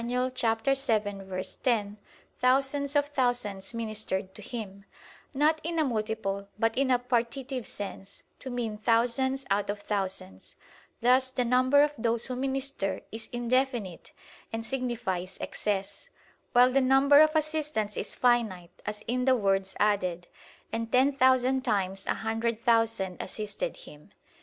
7:10) "thousands of thousands ministered to Him," not in a multiple but in a partitive sense, to mean "thousands out of thousands"; thus the number of those who minister is indefinite, and signifies excess; while the number of assistants is finite as in the words added, "and ten thousand times a hundred thousand assisted Him."